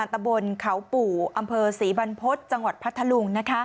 ตะบนเขาปู่อำเภอศรีบรรพฤษจังหวัดพัทธลุง